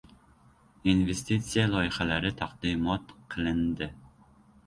Investitsiya loyihalari taqdimot qilindi